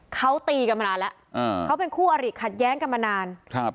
เขาตีกันมานานแล้วอ่าเขาเป็นคู่อริขัดแย้งกันมานานครับ